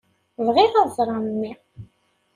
Bɣiɣ ad ẓreɣ memmi.